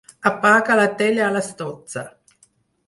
Apaga la tele a les dotze.